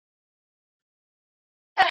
د دلارام نوم زموږ په کلتور کي ډېر مشهور دی.